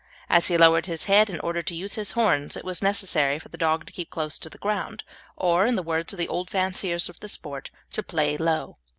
As he lowered his head in order to use his horns it was necessary for the dog to keep close to the ground, or, in the words of the old fanciers of the sport, to "play low."